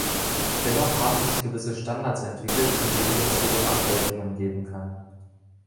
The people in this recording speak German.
Dennoch haben sich gewisse Standards entwickelt, von denen es jedoch Abweichungen geben kann.